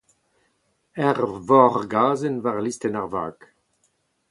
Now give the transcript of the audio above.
Ur vorgazhenn war listenn ar vag.